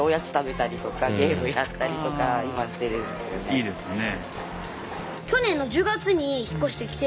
いいですね。